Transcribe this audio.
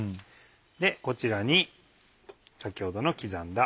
でこちらに先ほどの刻んだ。